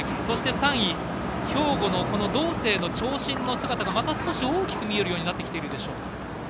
そして３位、兵庫の道清の長身の姿がまた少し大きく見えるようになってきてるでしょうか。